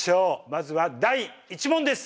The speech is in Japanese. まずは第１問です。